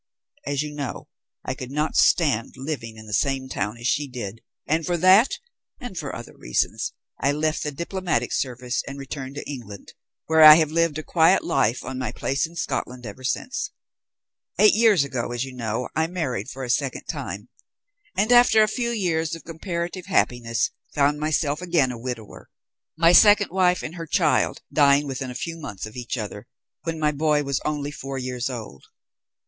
As you know, I could not stand living in the same town as she did, and for that, and for other reasons, I left the Diplomatic Service and returned to England, where I have lived a quiet life on my place in Scotland ever since. Eight years ago, as you know, I married for the second time, and after a few years of comparative happiness, found myself again a widower, my second wife and her child dying within a few months of each other, when my boy was only four years old.